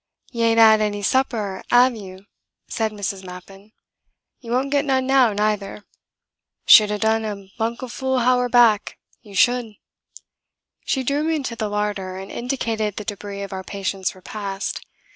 "You ain't 'ad any supper, 'ave you?" said Mrs. Mappin. "You won't get none now, neither. Should 'ave done a bunk a full hower back, you should." She drew me into the larder, and indicated the debris of our patients' repast.